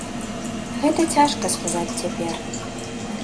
Гэта цяжка сказаць цяпер.